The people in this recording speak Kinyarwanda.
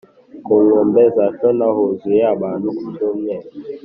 ku nkombe za shonan huzuye abantu ku cyumweru